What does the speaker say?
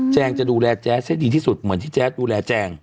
จะดูแลแจ๊สให้ดีที่สุดเหมือนที่แจ๊ดดูแลแจง